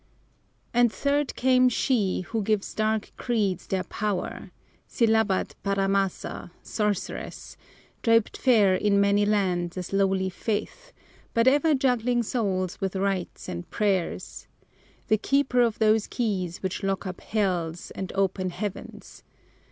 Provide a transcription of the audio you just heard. II And third came she who gives dark creeds their power, Silabbat paramasa, sorceress, Draped fair in many lands as lowly Faith, But ever juggling souls with rites and prayers; The keeper of those keys which lock up Hells And open Heavens.